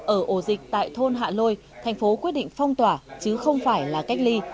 ở ổ dịch tại thôn hạ lôi thành phố quyết định phong tỏa chứ không phải là cách ly